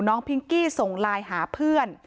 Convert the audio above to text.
พิงกี้ส่งไลน์หาเพื่อน